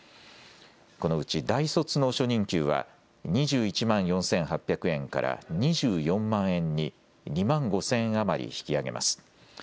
このうち大卒の初任給は２１万４８００円から２４万円に２万５０００円余り引き上げます。